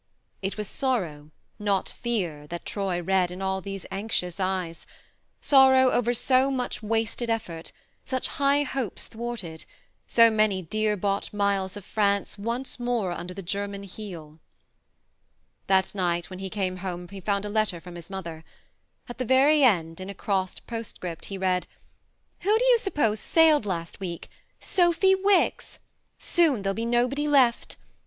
It was sorrow, not fear, that Troy read in ah 1 those anxious eyes sorrow over so much wasted effort, such high hopes thwarted, so many dear bought miles of France once more under the German heel. That night when he came home he found a letter from his mother. At the very end, in a crossed postscript, he read :" Who do you suppose sailed last week? Sophy Wicks. Soon there'll be nobody left!